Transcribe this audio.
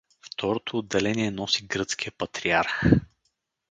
Второто отделение носи гръцкия патриарх.